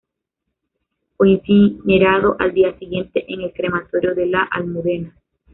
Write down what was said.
Fue incinerado al día siguiente en el Crematorio de la Almudena.